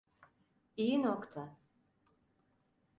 İyi nokta.